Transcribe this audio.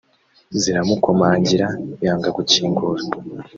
ziramukomangira yanga gukingura